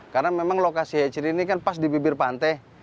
karena memang lokasi hecir ini kan pas di bibir pantai